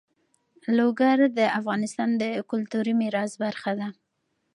لوگر د افغانستان د کلتوري میراث برخه ده.